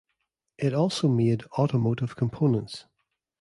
It also made automotive components.